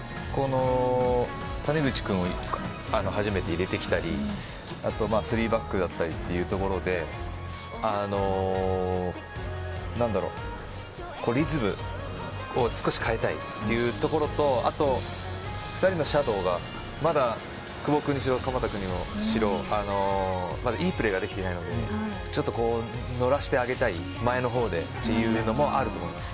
谷口君を初めて入れてきたりあとは３バックだったりというところでなんだろう、リズムを少し変えたいというところとあと２人のシャドーがまだ久保君にしろ鎌田君にしろまだいいプレーができてないのでちょっとのらせてあげたい前の方でというのもあると思います。